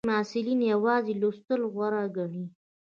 ځینې محصلین یوازې لوستل غوره ګڼي.